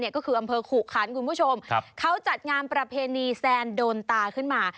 ก็คืออันเพิร์นครับมุชชมเขาจัดงามประเพนีแซนโดนตาขึ้นมา